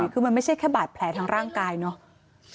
คือมันไม่ใช่แค่บาดแผลทางร่างกายเนอะ